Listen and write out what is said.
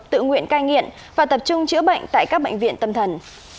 tự nguyện cai nghiện và tập trung chữa bệnh tại các bệnh viện tâm thần